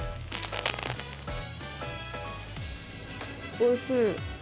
おいしい。